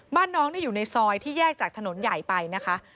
บ้านน้องอยู่ในซอยที่แยกจากถนนใหญ่ไปนะคะ